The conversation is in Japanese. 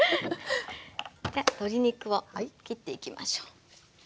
じゃあ鶏肉を切っていきましょう。